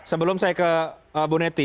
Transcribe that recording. sebelum saya ke bu neti